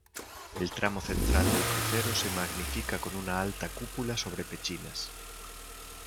El tramo central del crucero se magnifica con una alta cúpula sobre pechinas.